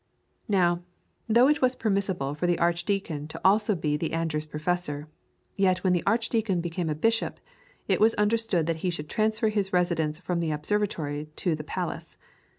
Now, though it was permissible for the Archdeacon to be also the Andrews Professor, yet when the Archdeacon became a Bishop, it was understood that he should transfer his residence from the observatory to the palace.